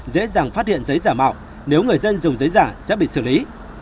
dễ dàng phát hiện giấy giả mạo nếu người dân dùng giấy giả sẽ bị xử lý